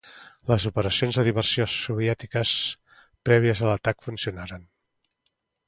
Les operacions de diversió soviètiques prèvies a l'atac funcionaren.